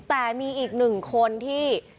แต่มีอีกหนึ่งคนที่